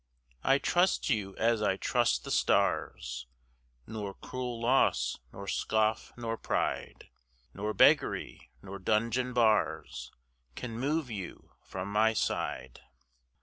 I trust you as I trust the stars; Nor cruel loss, nor scoff, nor pride, Nor beggary, nor dungeon bars, Can move you from my side.